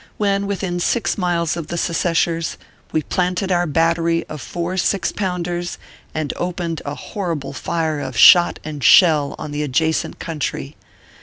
When within six miles of the seceshers, we planted our bat tery of four six pounders, and opened a horrible fire of shot and shell on the adjacent country.